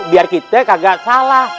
biar kita kagak salah